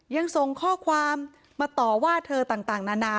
ยังส่งข้อความมาต่อว่าเธอต่างนานา